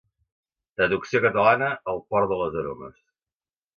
Traducció catalana El port de les aromes.